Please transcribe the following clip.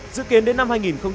dự kiến đến năm hai nghìn hai mươi